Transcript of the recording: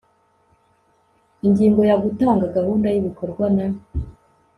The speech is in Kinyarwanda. ingingo ya gutanga gahunda y ibikorwa na